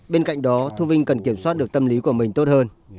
bên cạnh đó thu vinh cần kiểm soát được tâm lý của mình tốt hơn